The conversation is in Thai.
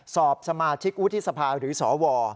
สอบสมาชิกวุฒิสภาหรือสว